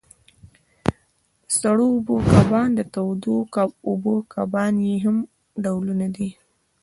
د سړو اوبو کبان او د تودو اوبو کبان یې مهم ډولونه دي.